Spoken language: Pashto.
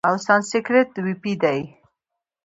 او سانسکریت ویی دی،